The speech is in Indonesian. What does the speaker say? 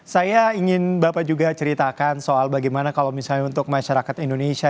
saya ingin bapak juga ceritakan soal bagaimana kalau misalnya untuk masyarakat indonesia